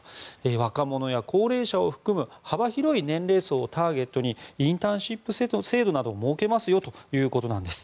若者や高齢者を含む幅広い年齢層をターゲットにインターンシップ制度などを設けますよということです。